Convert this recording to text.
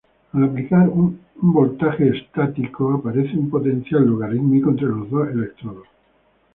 Al aplicar un voltaje estático, aparece un potencial logarítmico entre los dos electrodos.